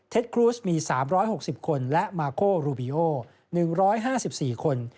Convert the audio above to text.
ครูสมี๓๖๐คนและมาโครูบิโอ๑๕๔คน